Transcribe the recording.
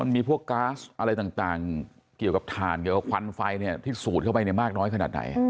มีพวกก๊าซอะไรต่างเกี่ยวกับถ่านเกี่ยวกับควันไฟที่สูดเข้าไปมากน้อยขนาดไหน